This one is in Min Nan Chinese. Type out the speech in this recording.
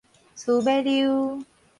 趨馬溜